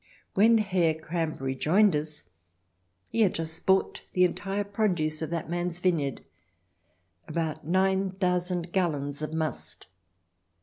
When Herr Kramp rejoined us he had just bought the entire produce of that man's vineyard — about nine thousand gallons of must.